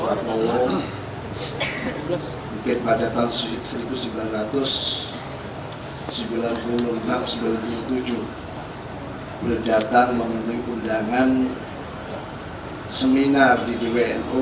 bapak bapak allah mungkin pada tahun seribu sembilan ratus sembilan puluh enam seribu sembilan ratus sembilan puluh tujuh berdatang mengundangkan seminar di bum